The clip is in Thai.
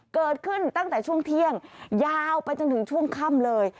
เกิดขึ้นตั้งแต่ช่วงเที่ยงยาวไปจนถึงช่วงค่ำเลย